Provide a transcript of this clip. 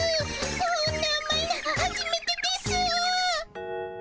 こんなあまいのはじめてですぅ。